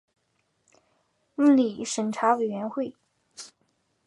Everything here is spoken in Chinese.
伦理审查委员会